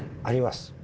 あります。